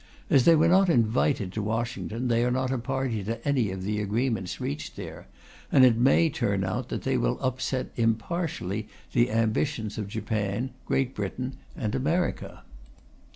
As they were not invited to Washington, they are not a party to any of the agreements reached there, and it may turn out that they will upset impartially the ambitions of Japan, Great Britain and America.